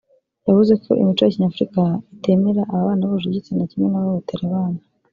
yavuze ko imico ya kinyafurika itemera ababana bahuje ibitsina kimwe n’abahohotera abana